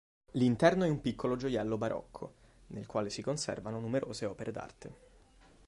L'interno è un piccolo gioiello barocco, nel quale si conservano numerose opere d'arte.